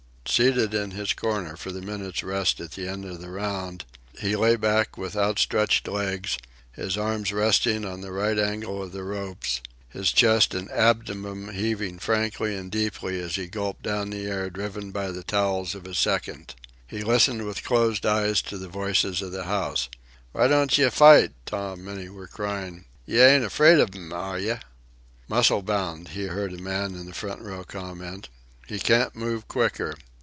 Seated in his corner for the minute's rest at the end of the round, he lay back with outstretched legs, his arms resting on the right angle of the ropes, his chest and abdomen heaving frankly and deeply as he gulped down the air driven by the towels of his seconds. He listened with closed eyes to the voices of the house, "Why don't yeh fight, Tom?" many were crying. "Yeh ain't afraid of 'im, are yeh?" "Muscle bound," he heard a man on a front seat comment. "He can't move quicker.